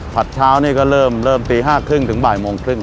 ผัดเช้าเริ่มตี๕๓๐ถึงบ่ายโมงครึ่ง